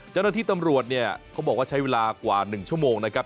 เจ้าหน้าที่ตำรวจเนี่ยเขาบอกว่าใช้เวลากว่า๑ชั่วโมงนะครับ